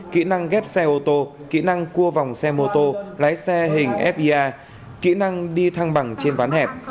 kỹ năng ghép xe ô tô kỹ năng cua vòng xe mô tô lái xe hình fia kỹ năng đi thăng bằng trên ván hẹp